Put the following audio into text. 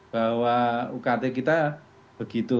bahwa ukt kita begitu